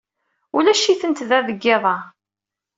Ulac-itent da deg yiḍ-a.